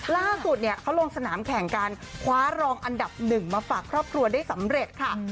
ล่าสุดเนี่ยเขาลงสนามแข่งการคว้ารองอันดับหนึ่งมาฝากครอบครัวได้สำเร็จค่ะ